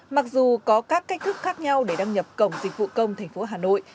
mặc dù có các cách thức khác nhau để đăng nhập cổng dịch vụ công tp hà nội